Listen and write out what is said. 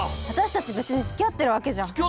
私たち別に付き合ってるわけじゃ。